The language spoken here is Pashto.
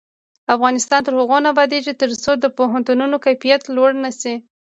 افغانستان تر هغو نه ابادیږي، ترڅو د پوهنتونونو کیفیت لوړ نشي.